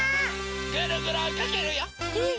ぐるぐるおいかけるよ！